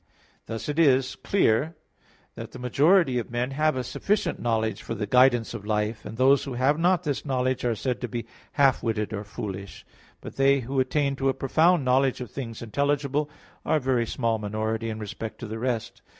Thus it is clear that the majority of men have a sufficient knowledge for the guidance of life; and those who have not this knowledge are said to be half witted or foolish; but they who attain to a profound knowledge of things intelligible are a very small minority in respect to the rest.